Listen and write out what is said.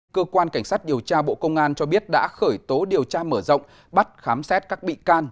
cơ quan cảnh sát điều tra bộ công an cho biết đã khởi tố điều tra mở rộng bắt khám xét các bị can